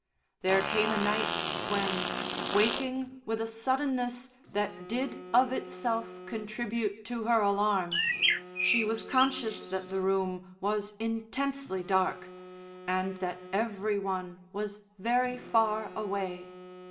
There came a night when, waking with a suddenness that did of itself contribute to her alarm, she was conscious that the room was intensely dark, and that every one was very far away.